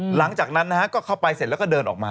หลังจากนั้นนะฮะก็เข้าไปเสร็จแล้วก็เดินออกมา